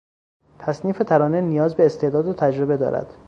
تصنیف ترانه نیاز به استعداد و تجربه دارد.